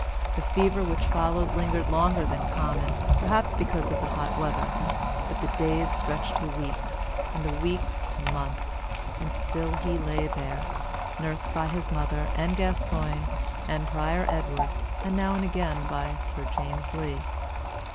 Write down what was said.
The fever which followed lingered longer than common perhaps because of the hot weather and the days stretched to weeks, and the weeks to months, and still he lay there, nursed by his mother and Gascoyne and Prior Edward, and now and again by Sir James Lee.